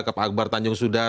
ke pak akbar tanjung sudah